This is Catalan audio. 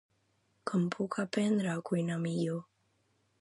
Com puc aprendre a cuinar millor?